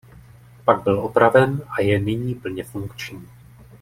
Pak byl opraven a je nyní plně funkční.